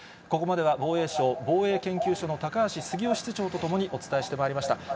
ここまでは、防衛省防衛研究所の高橋杉雄室長とともにお伝えしてまいりました。